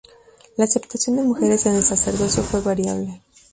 La aceptación de mujeres en el sacerdocio fue variable.